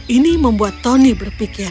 ini membuat tony berpikir